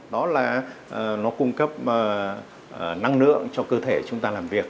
đó là nó cung cấp năng lượng cho cơ thể chúng ta làm việc